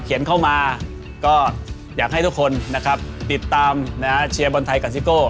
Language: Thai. เข้ามาก็อยากให้ทุกคนนะครับติดตามเชียร์บอลไทยกับซิโก้